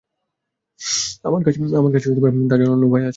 আমার কাছে তার জন্য অন্য উপায় আছে।